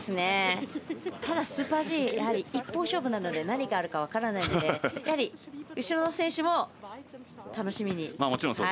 ただ、スーパーＧは一本勝負なので何があるか分からないので後ろの選手も楽しみに。